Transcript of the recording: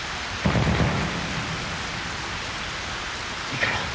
いいから。